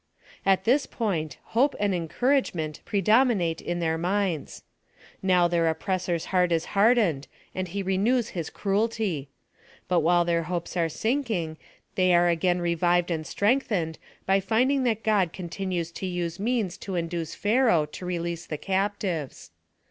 At this point, hope and encouragement pre dominate in their minds. Now their oppressors » PLAN OP SALVATION. 8l heart is hardened, and he renews his cruelty ; but while their hopes are sinking, they are again re vived ana strengthened, by finding that God con tinues to use means to induce Pharaoh to release tiie captives.